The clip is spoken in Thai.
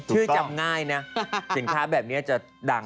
จำง่ายนะสินค้าแบบนี้จะดัง